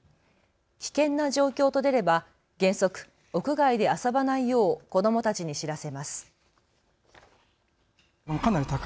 危険な状況と出れば原則屋外で遊ばないよう子どもたちに知らせます。